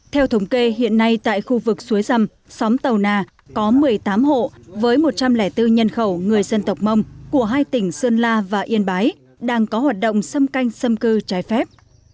theo thống kê hiện nay tại khu vực suối rầm xóm tàu nà có một mươi tám hộ với một trăm linh bốn nhân khẩu người dân tộc mông của hai tỉnh sơn la và yên bái đang có hoạt động xâm canh xâm cư trái phép